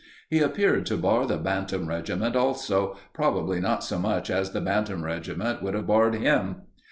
He appeared to bar the bantam regiment also, probably not so much as the bantam regiment would have barred him.